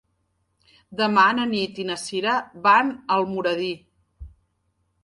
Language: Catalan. Demà na Nit i na Sira van a Almoradí.